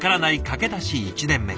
駆け出し１年目。